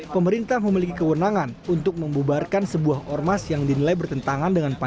pemerintah memiliki kewenangan untuk membubarkan sebuah ormas yang dinilai bertentangan dengan pancasila